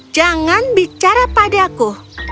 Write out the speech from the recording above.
jangan bicara padaku